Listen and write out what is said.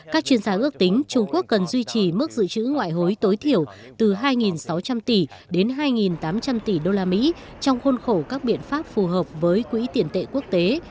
các chuyên gia ước tính trung quốc cần duy trì mức dự trữ ngoại hối tối thiểu từ hai sáu trăm linh tỷ đến hai tám trăm linh tỷ usd trong khuôn khổ các biện pháp phù hợp với quỹ tiền tệ quốc tế